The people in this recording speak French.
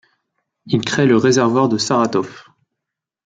Il crée le réservoir de Saratov.